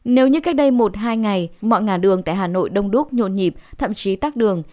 nếu như cách đây một hai ngày mọi ngả đường tại hà nội đông đúc nhộn nhịp thậm chí tắt đường